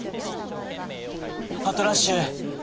パトラッシュ。